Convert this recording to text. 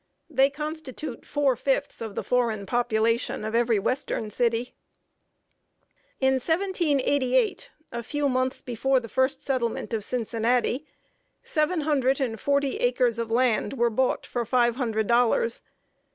They constitute four fifths of the foreign population of every western city. [Sidenote: THE EARLY DAYS OF CINCINNATI.] In 1788, a few months before the first settlement of Cincinnati, seven hundred and forty acres of land were bought for five hundred dollars.